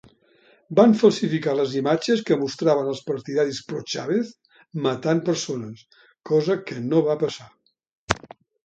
Van falsificar les imatges que mostraven als partidaris pro-Chavez matant persones, cosa que no va passar.